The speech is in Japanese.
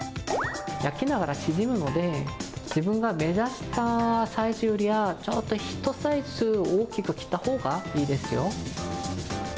焼きながら縮むので、自分が目指したサイズよりは、ちょっとひとサイズ大きく切ったほうがいいですよ。